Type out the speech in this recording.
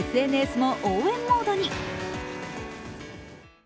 ＳＮＳも応援モードに。